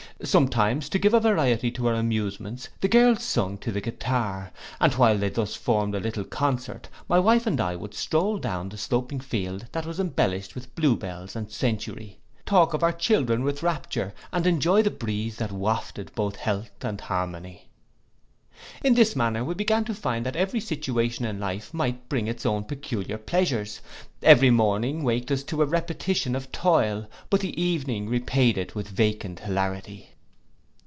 Sometimes, to give a variety to our amusements, the girls sung to the guitar; and while they thus formed a little concert, my wife and I would stroll down the sloping field, that was embellished with blue bells and centaury, talk of our children with rapture, and enjoy the breeze that wafted both health and harmony. In this manner we began to find that every situation in life might bring its own peculiar pleasures: every morning waked us to a repetition of toil; but the evening repaid it with vacant hilarity.